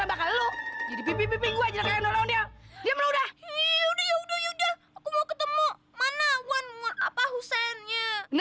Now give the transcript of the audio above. ada apaan sih ada apaan